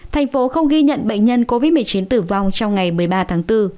thành phố không ghi nhận bệnh nhân covid một mươi chín tử vong trong ngày một mươi ba tháng bốn